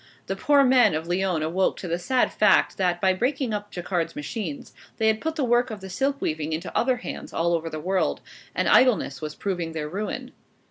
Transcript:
The poor men of Lyons awoke to the sad fact, that by breaking up Jacquard's machines, they had put the work of silk weaving into other hands all over the world; and idleness was proving their ruin.